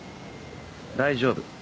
大丈夫。